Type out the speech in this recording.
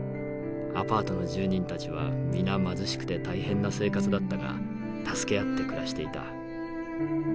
アパートの住人たちは皆貧しくて大変な生活だったが助け合って暮らしていた。